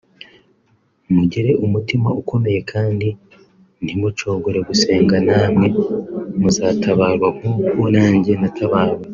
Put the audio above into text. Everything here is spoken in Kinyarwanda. mugire umutima ukomeye kandi ntimucogore gusenga namwe muzatabarwa nk’uko nange natabawe